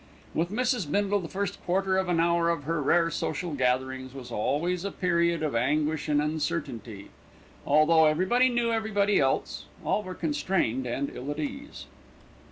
With Mrs. Bindle the first quarter of an hour of her rare social gatherings was always a period of anguish and uncertainty. Although everybody knew everybody else, all were constrained and ill at ease.